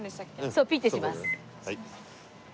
そうピッてします。